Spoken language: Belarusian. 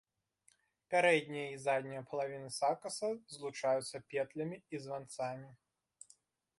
Пярэдняя і задняя палавіны сакаса злучаюцца петлямі і званцамі.